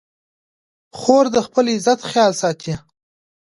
خور د خپل عزت خیال ساتي.